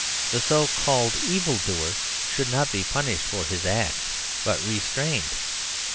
"The so called evil doer should not be punished for his acts, but restrained."